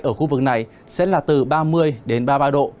ở khu vực này sẽ là từ ba mươi đến ba mươi ba độ